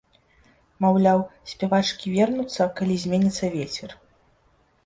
Маўляў, спявачкі вернуцца, калі зменіцца вецер.